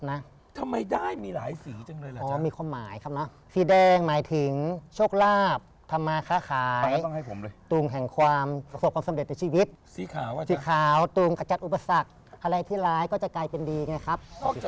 นอกจากสีขาวสีแดงมีสีอะไรอีกครับ